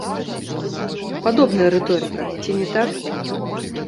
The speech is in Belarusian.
Падобная рыторыка, ці не так?